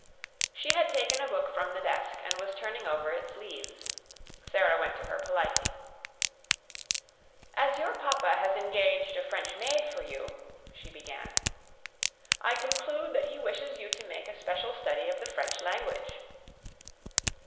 She had taken a book from the desk and was turning over its leaves. Sara went to her politely. "As your papa has engaged a French maid for you," she began, "I conclude that he wishes you to make a special study of the French language."